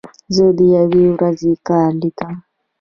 زه د یوې ورځې کار لیکم.